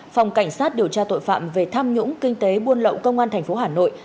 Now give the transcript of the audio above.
phòng cảnh sát điều tra tội phạm về tham nhũng kinh tế buôn lậu công an tp hà nội